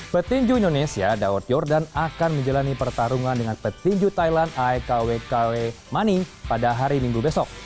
petinju indonesia daud yordan akan menjalani pertarungan dengan petinju thailand aekawekawemani pada hari minggu besok